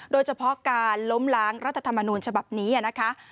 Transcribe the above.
โดยเฉพาะการล้มล้างรัฐธรรมนูญฉบับนี้นะคะ